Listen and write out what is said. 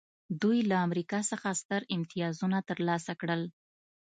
دوی له امریکا څخه ستر امتیازونه ترلاسه کړل